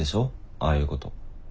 ああいうこと。